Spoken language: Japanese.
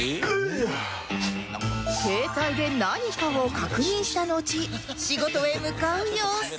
携帯で何かを確認したのち仕事へ向かう様子